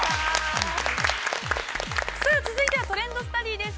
◆さあ、続いては「トレンドスタディ」です。